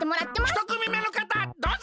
ひとくみめのかたどうぞ！